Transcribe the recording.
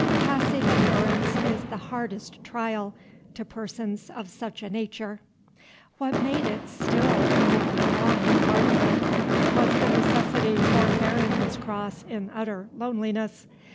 Passive endurance is the hardest trial to persons of such a nature. What made it still more a long martyrdom was the necessity for bearing his cross in utter loneliness.